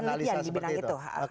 oh analisa seperti itu